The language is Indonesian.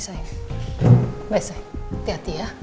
selamat pagi ya